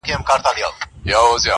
خو تر مرګه یې دا لوی شرم په ځان سو!.